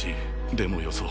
でもよそう。